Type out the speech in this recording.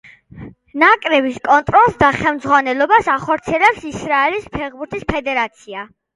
ნაკრების კონტროლს და ხელმძღვანელობას ახორციელებს ისრაელის ფეხბურთის ფედერაცია.